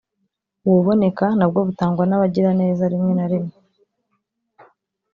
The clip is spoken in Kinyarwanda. ububoneka nabwo butangwa n’abagiraneza rimwe na rimwe